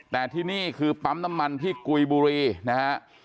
แต่ที่นี่คือปั๊มน้ำมันที่กุยบุรีนะฮะ